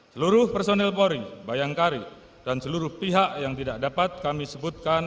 seluruh personil polri bayangkari dan seluruh pihak yang tidak dapat kami sebutkan